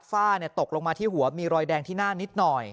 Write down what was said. ฝ้าตกลงมาที่หัวมีรอยแดงที่หน้านิดหน่อย